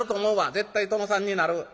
絶対殿さんになる。